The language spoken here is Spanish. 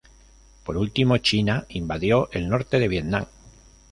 Por último, China invadió el norte de Vietnam.